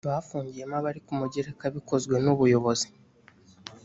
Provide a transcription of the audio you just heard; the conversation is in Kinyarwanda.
bafungiyemo abari ku mugereka bikozwe nubuyobozi.